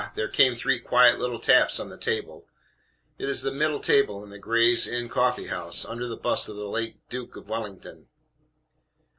there came three quiet little taps on the table it is the middle table in the "Gray's Inn CoffeeHouse," under the bust of the late Duke of W ll ngt n.